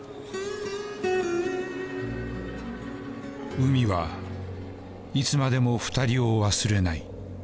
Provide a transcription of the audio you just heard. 海はいつまでも２人を忘れない。